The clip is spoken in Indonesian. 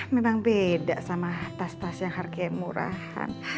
memang beda sama tas tas yang harganya murahan